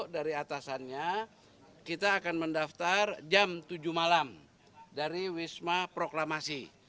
dari atasannya kita akan mendaftar jam tujuh malam dari wisma proklamasi